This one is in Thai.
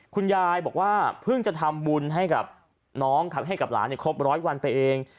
คุณยายบอกว่าเพิ่งจะทำบุญให้กับน้องให้กับหลานครบร้อยวันไปเอง